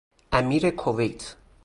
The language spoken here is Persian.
امیر کویت